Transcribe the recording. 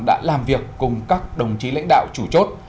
đã làm việc cùng các đồng chí lãnh đạo chủ chốt